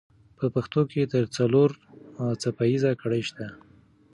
په پښتو کې تر څلور څپه ایزه ګړې شته.